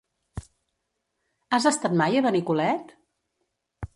Has estat mai a Benicolet?